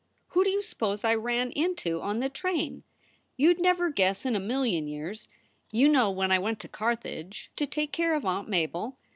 Who do you suppose I ran into on the train? You d never guess in a million years. You know when I went to Carthage to take care of Aunt Mabel?